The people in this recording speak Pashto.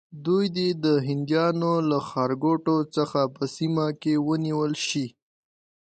دوی دې د هندیانو له ښارګوټو څخه په سیمه کې ونیول شي.